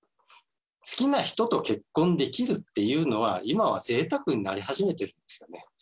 好きな人と結婚できるっていうのは、今はぜいたくになり始めてるんですよね。